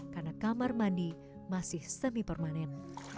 karena kamar mandi masih semi permanen